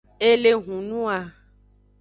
E le hunua.